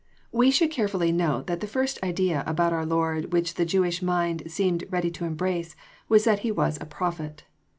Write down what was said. We should carefully note that the first idea about our Lord which the Jewish mind seemed ready to embrace, was that He was a Prophet.